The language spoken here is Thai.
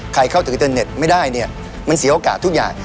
เข้าถึงอินเทอร์เน็ตไม่ได้เนี่ยมันเสียโอกาสทุกอย่าง